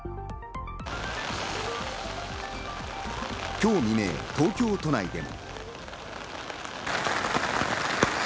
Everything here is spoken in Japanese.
今日未明、東京都内でも。